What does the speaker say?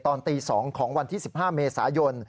ตอนตี๒ของวันที่๑๕เมษายน